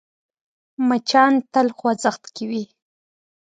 مچان تل خوځښت کې وي